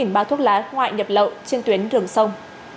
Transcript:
bao thuốc lá ngoại nhập lậu trên tuyến đường sông